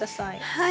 はい。